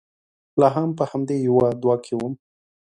لا هم په همدې يوه دوه کې ووم.